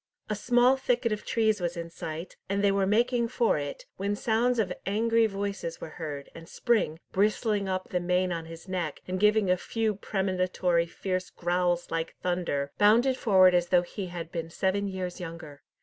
A small thicket of trees was in sight, and they were making for it, when sounds of angry voices were heard, and Spring, bristling up the mane on his neck, and giving a few premonitory fierce growls like thunder, bounded forward as though he had been seven years younger.